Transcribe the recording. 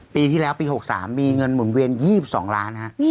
ปีที่แล้วปี๖๓มีเงินหมุนเวียน๒๒ล้านฮะ